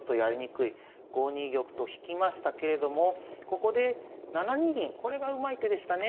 ５二玉と引きましたけれどもここで７二銀これがうまい手でしたね。